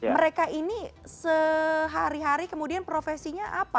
mereka ini sehari hari kemudian profesinya apa